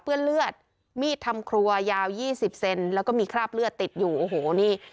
เลือดมีดทำครัวยาว๒๐เซนแล้วก็มีคราบเลือดติดอยู่โอ้โหนี่